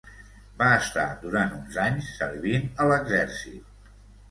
Va estar durant uns anys servint a l'exèrcit.